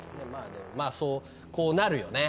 まあこうなるよね。